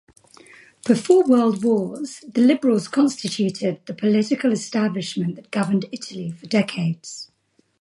Before World Wars the Liberals constituted the political establishment that governed Italy for decades.